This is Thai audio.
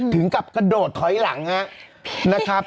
ถึงกับกระโดดถอยหลังนะครับ